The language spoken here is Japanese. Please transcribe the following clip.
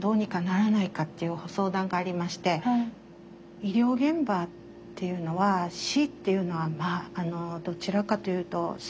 医療現場っていうのは死っていうのはどちらかというと触れないエリアっていうか。